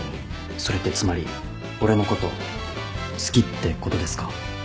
それってつまり俺のこと好きってことですか？